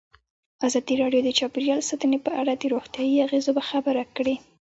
ازادي راډیو د چاپیریال ساتنه په اړه د روغتیایي اغېزو خبره کړې.